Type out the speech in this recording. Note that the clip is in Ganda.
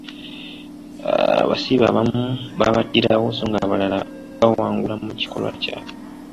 Abasibe abamu baabattirawo so ng'abalala bawangula mu kikolwa kyabwe.